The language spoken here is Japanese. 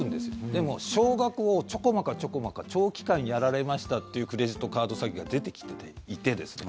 でも、少額をちょこまかちょこまか長期間やられましたというクレジットカード詐欺が出てきていてですね